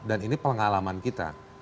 dan ini pengalaman kita